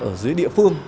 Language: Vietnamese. ở dưới địa phương